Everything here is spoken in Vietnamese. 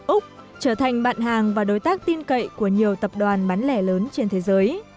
úc trở thành bạn hàng và đối tác tin cậy của nhiều tập đoàn bán lẻ lớn trên thế giới